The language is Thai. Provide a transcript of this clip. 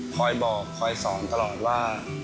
คอยบอกคอยสอนตลอดว่า